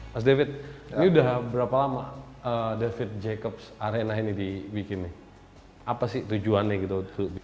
mas david ini udah berapa lama david jacobs arena ini dibikin nih apa sih tujuannya gitu